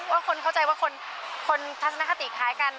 ว่าคนเข้าใจว่าคนทัศนคติคล้ายกัน